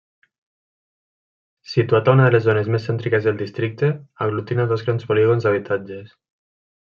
Situat a una de les zones més cèntriques del districte, aglutina dos grans polígons d'habitatges.